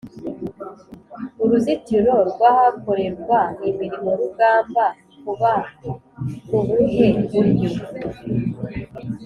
uruzitiro rw’ahakorerwa imirimo rugamba kuba kubuhe buryo